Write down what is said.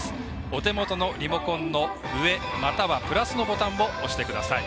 お手元のリモコンの上またはプラスのボタンを押してください。